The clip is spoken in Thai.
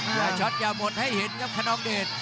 อย่าช็อตอย่าหมดให้เห็นครับขนองเดช